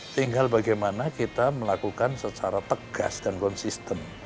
tinggal bagaimana kita melakukan secara tegas dan konsisten